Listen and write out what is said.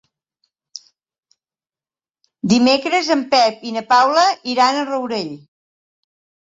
Dimecres en Pep i na Paula aniran al Rourell.